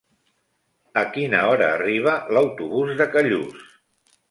A quina hora arriba l'autobús de Callús?